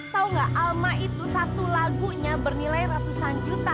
tahu gak alma itu satu lagunya bernilai ratusan juta